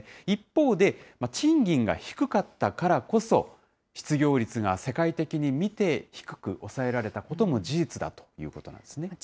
一方で、賃金が低かったからこそ、失業率が世界的に見て低く抑えられたことも事実だということなんですね。